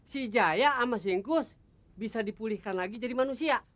si jaya sama singkus bisa dipulihkan lagi jadi manusia